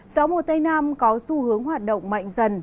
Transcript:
gió mùa tây nam có xu hướng hoạt động mạnh dần